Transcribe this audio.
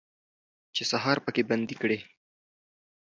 چې سهار پکې بندي کړي